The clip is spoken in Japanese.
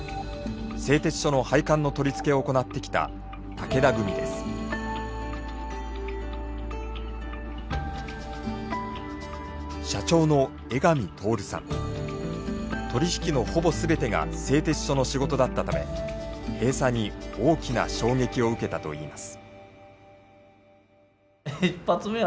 製鉄所の配管の取り付けを行ってきた取り引きのほぼ全てが製鉄所の仕事だったため閉鎖に大きな衝撃を受けたといいます。